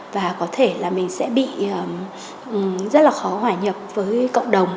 và có thể là mình sẽ bị rất là khó hỏa nhập với cộng đồng